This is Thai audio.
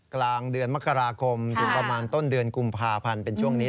กลางเดือนมกราคมถึงประมาณต้นเดือนกุมภาพันธ์เป็นช่วงนี้